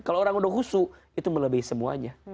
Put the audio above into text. kalau orang udah khusyuk itu melebihi semuanya